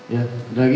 ya ada lagi